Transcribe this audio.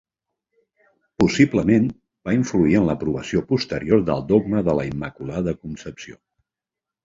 Possiblement, va influir en l'aprovació posterior del dogma de la Immaculada Concepció.